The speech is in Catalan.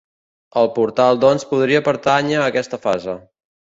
El portal doncs, podria pertànyer a aquesta fase.